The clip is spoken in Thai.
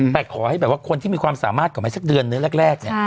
แต่ขอให้แบบว่าคนที่มีความสามารถก่อนไหมสักเดือนเนื้อแรกเนี่ย